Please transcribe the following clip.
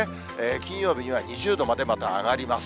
金曜日には２０度までまた上がります。